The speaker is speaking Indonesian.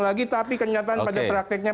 lagi tapi kenyataan pada prakteknya